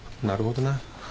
なるほどな。